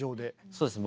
そうですね